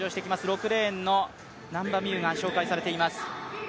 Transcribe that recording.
６レーンの難波実夢が紹介されています。